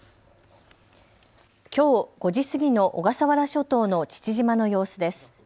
きょう５時過ぎの小笠原諸島の父島の様子です。